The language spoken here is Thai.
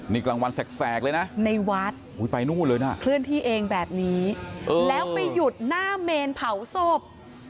นี่กลางวันแสกเลยนะในวัดไปนู่นเลยนะเคลื่อนที่เองแบบนี้แล้วไปหยุดหน้าเมนเผาศพ